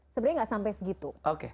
sebenarnya tidak sampai segitu